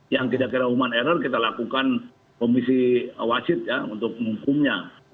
yang kira kira human error kita lakukan komisi wasit ya untuk menghukumnya